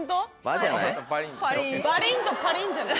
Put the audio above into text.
バリンとパリンじゃない？